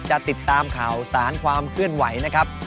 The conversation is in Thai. จะติดตามข่าวสารความเคลื่อนไหวนะครับ